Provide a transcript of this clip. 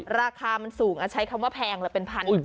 ราคามันสูงใช้คำว่าแพงละเป็นพัน